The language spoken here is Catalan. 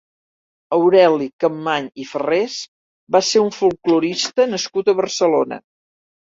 Aureli Capmany i Farrés va ser un folklorista nascut a Barcelona.